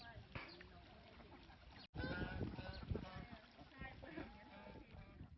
วันหนึ่งก็ได้ปีห้าร้อยฟวง